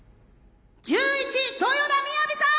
・１１豊田雅さん！